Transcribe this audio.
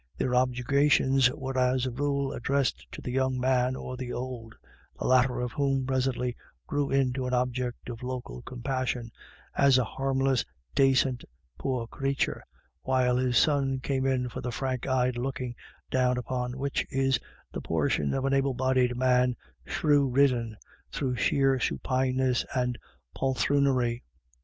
Their objurgations were as a rule ad dressed to the young man or the old, the latter of whom presently grew into an object of local compassion, as " a harmless dacint poor crathur," while his son came in for the frank eyed looking down upon which is the portion of an able bodied man shrew ridden through sheer supineness and " polthroonery."